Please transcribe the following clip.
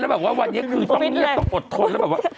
แล้วแบบว่าวันนี้คือตอนนี้ต้องอดทน